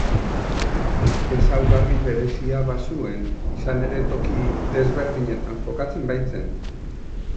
Ezaugarri berezia bazuen, izan ere toki desberdinetan jokatzen baitzen.